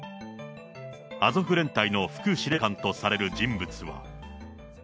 アゾフ連隊の副司令官とされる人物は。